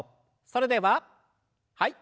それでははい。